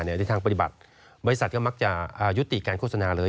ในทางปฏิบัติบริษัทก็มักจะยุติการโฆษณาเลย